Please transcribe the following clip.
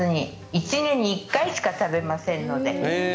１年に１回しか食べませんので。